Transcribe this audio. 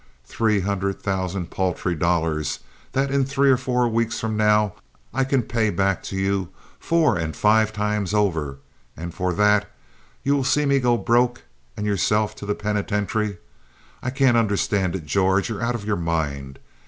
Three hundred thousand paltry dollars that in three or four weeks from now I can pay back to you four and five times over, and for that you will see me go broke and yourself to the penitentiary. I can't understand it, George. You're out of your mind.